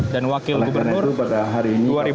dan wakil gubernur dua ribu tujuh belas